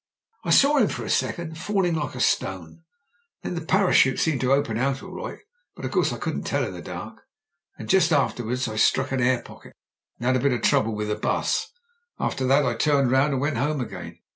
"I saw him for a second falling like a stone, and then the parachute seemed to open out all right But of course I couldn't tell in the dark; and just after wards I struck an air pocket, and had a bit of trouble with the bus. After that I turned round and went home again.